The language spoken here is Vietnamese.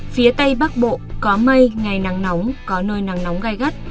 phía tây bắc bộ có mây ngày nắng nóng có nơi nắng nóng gai gắt